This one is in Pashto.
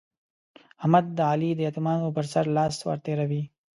احمد د علي د يتيمانو پر سر لاس ور تېروي.